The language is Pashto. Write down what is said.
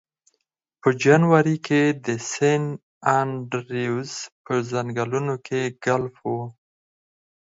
په جنوري کې د سن انډریوز په ځنګلونو کې ګلف و